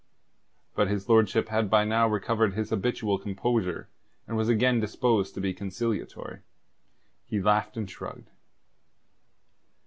But his lordship had by now recovered his habitual composure, and was again disposed to be conciliatory. He laughed and shrugged.